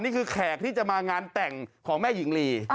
แขกที่จะมางานแต่งของแม่หญิงลี